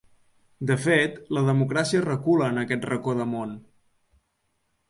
De fet, la democràcia recula en aquest racó de món.